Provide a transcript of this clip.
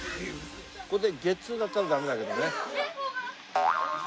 ここでゲッツーだったらダメだけどね。